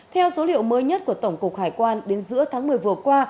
theo số liệu mới nhất của tổng cục hải quan đến giữa tháng một mươi vừa qua